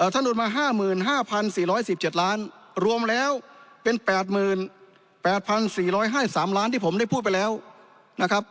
ท่านโอนมา๕๕๔๑๗ล้านรวมแล้วเป็น๘๘๔๕๓ล้านที่ผมได้พูดไปแล้วนะครับ